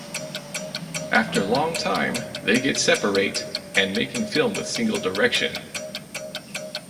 After long time they get separate and making film with single direction.